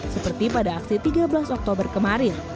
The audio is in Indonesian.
seperti pada aksi tiga belas oktober kemarin